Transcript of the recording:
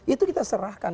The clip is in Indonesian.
itu kita serahkan